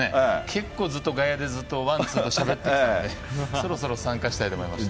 結構ずっと、外野でずっとしゃべってきたんで、そろそろ参加したいと思いまして。